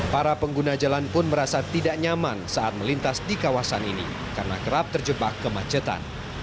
para pengguna jalan pun merasa tidak nyaman saat melintas di kawasan ini karena kerap terjebak kemacetan